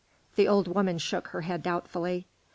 The old woman shook her head doubtfully.